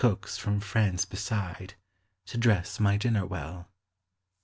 oks from France bet To dress my dinner well.